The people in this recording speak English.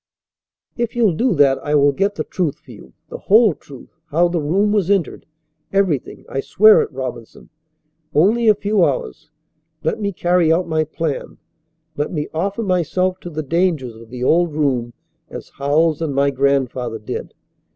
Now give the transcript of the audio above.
"If you'll do that, I will get the truth for you the whole truth, how the room was entered, everything. I swear it, Robinson. Only a few hours. Let me carry out my plan. Let me offer myself to the dangers of the old room as Howells and my grandfather did.